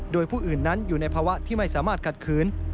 โดยผู้อื่นนั้นอยู่ในภาวะที่ไม่สามารถขัดขืน